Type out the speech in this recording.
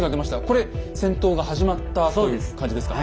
これ戦闘が始まったという感じですか？